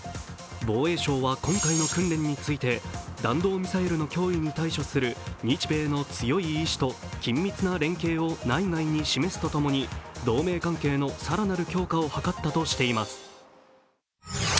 防衛省は今回の訓練について弾道ミサイルの脅威に対処する日米の強い意思と緊密な連携を内外に示すと共に同盟関係の更なる強化を図ったとしています。